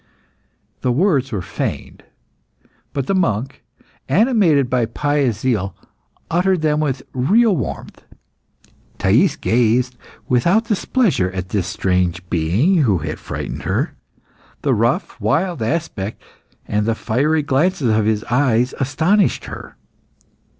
'" The words were feigned; but the monk, animated by pious zeal, uttered them with real warmth. Thais gazed, without displeasure, at this strange being who had frightened her. The rough, wild aspect, and the fiery glances of his eyes, astonished her.